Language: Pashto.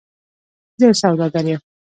زه یو سوداګر یم .